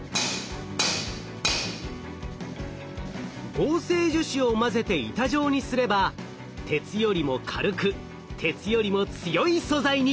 合成樹脂を混ぜて板状にすれば鉄よりも軽く鉄よりも強い素材に。